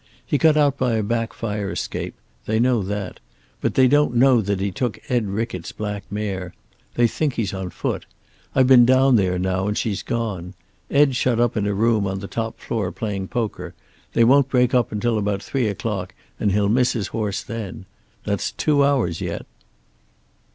He got out by a back fire escape they know that. But they don't know he took Ed Rickett's black mare. They think he's on foot. I've been down there now, and she's gone. Ed's shut up in a room on the top floor, playing poker. They won't break up until about three o'clock and he'll miss his horse then. That's two hours yet."